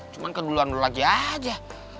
cuma keduluan dulu lagi aja